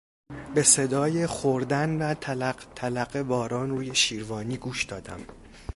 به صدای خوردن و تلق تلق باران روی شیروانی گوش دادم.